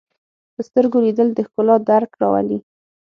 په سترګو لیدل د ښکلا درک راولي